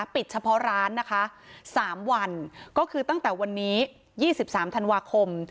ปิดเฉพาะร้านนะคะ๓วันก็คือตั้งแต่วันนี้๒๓ธันวาคม